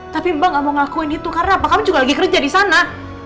tapi mbak gak mau ngakuin itu karena apa kamu juga lagi kerja di sana